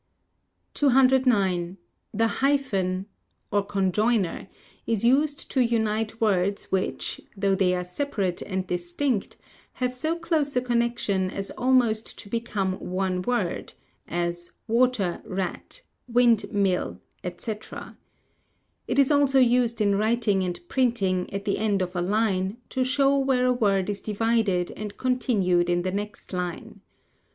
209. The Hyphen, or conjoiner is used to unite words which, though they are separate and distinct, have so close a connection as almost to become one word, as water rat, wind mill, &c. It is also used in writing and printing, at the end of a line, to show where a word is divided and continued in the next line.